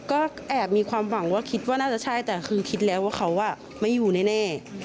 ก็แอบมีความหวังว่าคิดว่าน่าจะใช่แต่คือคิดแล้วว่าเขาไม่อยู่แน่